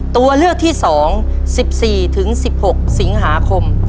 ตัวเลือกที่๒๑๔๑๖สิงหาคม